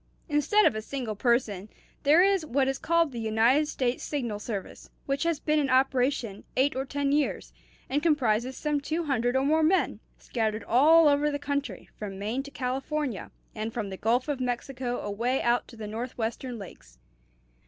"Instead of a single person, there is what is called the United States Signal Service, which has been in operation eight or ten years, and comprises some two hundred or more men, scattered all over the country, from Maine to California, and from the Gulf of Mexico away out to the Northwestern lakes.